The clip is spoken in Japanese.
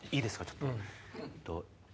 ちょっと。